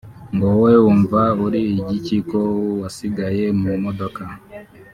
ngo wowe wumva uri igiki ko wasigaye mu modoka